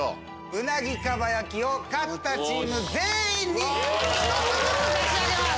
うなぎかば焼きを勝ったチーム全員に１つずつ差し上げます。